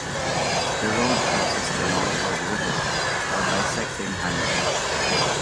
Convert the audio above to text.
The road crosses the Longford River while bisecting Hanworth.